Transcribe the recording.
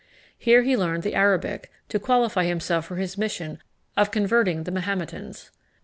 Here he learned the Arabic, to qualify himself for his mission of converting the Mahometans.